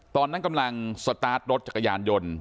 ตอนนั้นกำลังสตาร์ทรถจักรยานยนต์